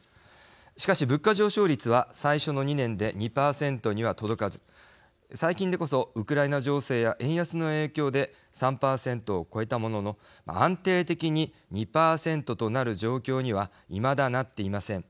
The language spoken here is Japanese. しかし、物価上昇率は最初の２年で２％には届かず最近でこそ、ウクライナ情勢や円安の影響で３％を超えたものの安定的に２％となる状況にはいまだ、なっていません。